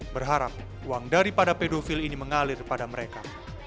berharap uang daripada pedofil ini mengalir pada mereka